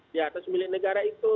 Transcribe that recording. di atas milik negara itu